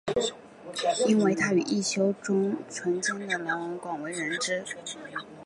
因为他与一休宗纯间的往来而广为人知。